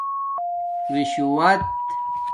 رشوت